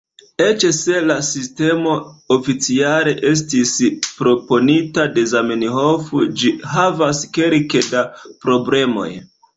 Eĉ se la sistemo oficiale estis proponita de Zamenhof, ĝi havas kelke da problemoj.